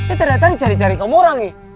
eh tadi tadi cari cari kamu orang nih